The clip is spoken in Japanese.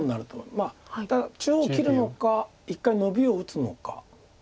まあただ中央切るのか１回ノビを打つのか。